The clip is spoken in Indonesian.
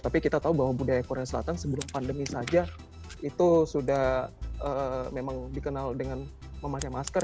tapi kita tahu bahwa budaya korea selatan sebelum pandemi saja itu sudah memang dikenal dengan memakai masker